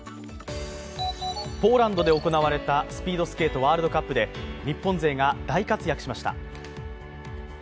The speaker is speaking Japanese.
ポーランドで行われたスピードスケートワールドカップで日本勢が大活躍しました。